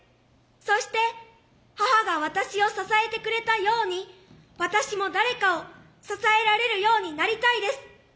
そして母が私を支えてくれたように私も誰かを支えられるようになりたいです。